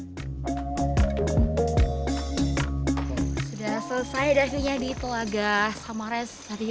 sudah selesai dasarnya di telaga samares